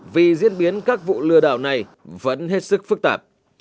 vì diễn biến các vụ lừa đảo này vẫn hết sức phức tạp